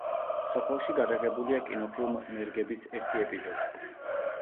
სოფელში გადაღებულია კინოფილმ „ნერგების“ ერთი ეპიზოდი.